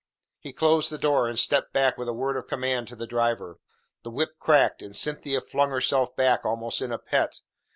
He closed the door, and stepped back with a word of command to the driver. The whip cracked, and Cynthia flung herself back almost in a pet.